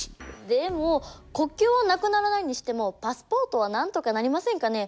でも国境はなくならないにしてもパスポートはなんとかなりませんかね。